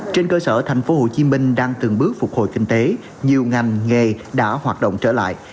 trên cơ sở tp hcm đang từng bước phục hồi kinh tế nhiều ngành nghề đã hoạt động trở lại